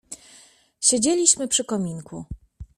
"Siedzieliśmy przy kominku."